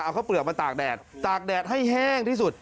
เอาข้าวเปลือกมาตากแดดตากแดดให้แห้งที่สุด